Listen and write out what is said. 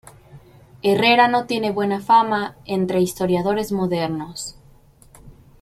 Herrera no tiene buena fama entre historiadores modernos.